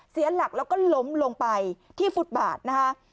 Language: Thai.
เสียหลักแล้วก็ล้มลงไปที่ฟุตบาทนะคะ